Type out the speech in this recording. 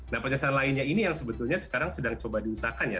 nah penjelasan lainnya ini yang sebetulnya sekarang sedang coba diusahakan ya